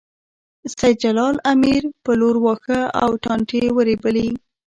سېد جلال امیر په لور واښه او ټانټې ورېبلې